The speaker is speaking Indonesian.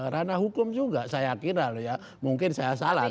rana hukum juga saya kira ya mungkin saya salah